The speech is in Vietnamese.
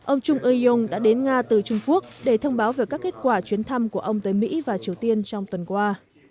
ông chung eung đã đến nga từ trung quốc để thông báo về các kết quả chuyến thăm của ông tới mỹ và triều tiên trong tuần qua